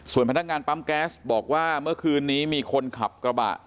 ส่วนพนักงานปั๊มแก๊สบอกว่าเมื่อคืนนี้มีคนขับกระบะ